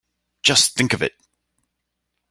Just think of it!